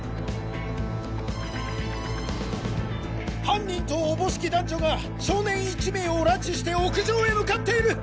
犯人と思しき男女が少年１名を拉致して屋上へ向かっている！